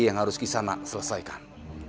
yang harus kisanak selesaikan